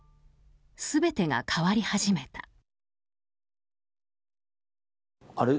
全てが変わり始めた。